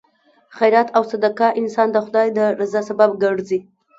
خیرات او صدقه انسان د خدای د رضا سبب ګرځي.